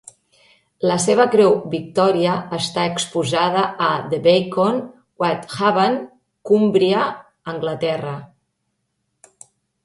La seva Creu Victòria està exposada a The Beacon, Whitehaven, Cumbria, Anglaterra.